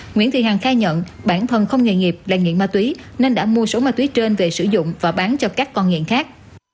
nguyễn thị hằng khai nhận bản thân không nghề nghiệp là nghiện ma túy nên đã mua số ma túy trên về sử dụng và bán cho các con nghiện khác